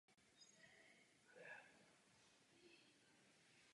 Četná rozsáhlá tažení si vyžádala množství finančních i lidských zdrojů.